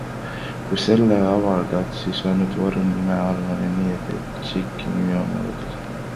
Kui selle avaldad, siis ainult varjunime all ja nii, et ka tšiki nimi on muudetud.